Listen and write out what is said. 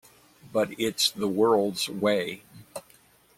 But it’s the world’s way.